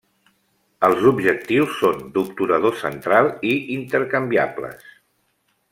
Els objectius són d'obturador central i intercanviables.